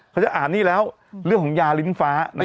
จะอ่านนี่แล้วเรื่องของยาลิ้นฟ้า